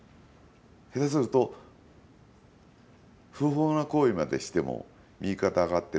下手すると不法な行為までしても右肩上がってる。